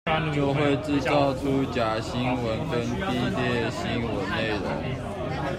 就會製造出假新聞跟低劣新聞內容